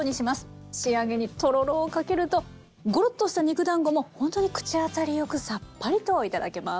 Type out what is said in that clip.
仕上げにとろろをかけるとごろっとした肉だんごもほんとに口当たりよくさっぱりと頂けます。